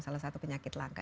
salah satu penyakit langka